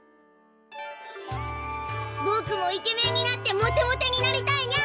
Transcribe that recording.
ぼくもイケメンになってモテモテになりたいにゃ！